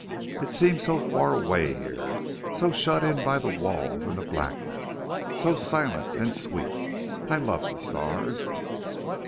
It seems so far away here so shut in by the walls and the blackness. So silent and sweet! I love the stars.